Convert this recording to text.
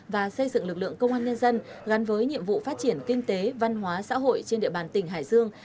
và xây dựng lực lượng công an nhân dân gắn với nhiệm vụ phát triển kinh tế văn hóa xã hội trên địa bàn tỉnh hải dương